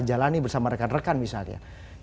jalani bersama rekan rekan misalnya